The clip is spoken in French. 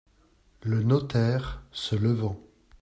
Le notaire , se levant.